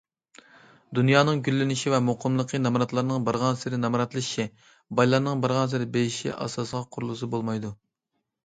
دۇنيانىڭ گۈللىنىشى ۋە مۇقىملىقى نامراتلارنىڭ بارغانسېرى نامراتلىشىشى، بايلارنىڭ بارغانسېرى بېيىشى ئاساسىغا قۇرۇلسا بولمايدۇ.